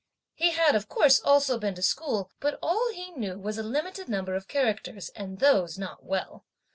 He had, of course, also been to school, but all he knew was a limited number of characters, and those not well.